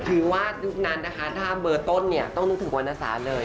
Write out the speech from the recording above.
คือว่าลูกนั้นนะคะถ้าเบอร์ต้นต้องนึกถึงวรรณศาสตร์เลย